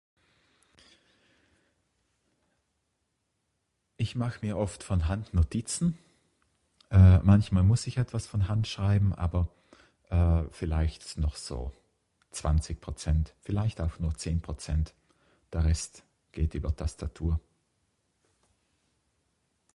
Ich mach mir oft von Hand Notizen, eh manchmal muss ich etwas von Hand schreiben aber eh vielleicht noch so zwanzig Prozent, vielleicht auch nur zehn Prozent. Der Rest geht über Tastatur.